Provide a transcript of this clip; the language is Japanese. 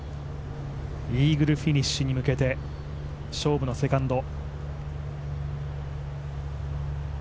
イーグルフィニッシュに向けて勝負のセカンド。